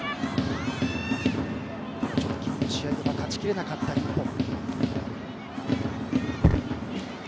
直近の試合では勝ちきれなかった日本。